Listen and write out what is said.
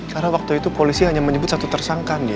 karena waktu itu polisi hanya menyebut satu tersangka andin